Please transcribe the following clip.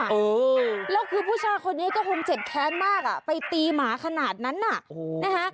เออและคือผู้ชายคนนี้ก็โหงเจ็ดแค้นมากไปตีหมาขนาดนั้นนะฮะ